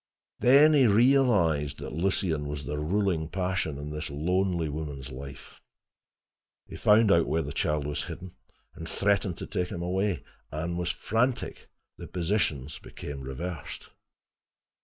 Then he realized that Lucien was the ruling passion in this lonely woman's life. He found out where the child was hidden, and threatened to take him away. Anne was frantic. The positions became reversed.